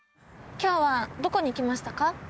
今日はどこに来ましたか？